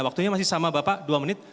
waktunya masih sama bapak dua menit